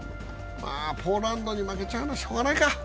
まあ、ポーランドに負けちゃうのはしようがないか。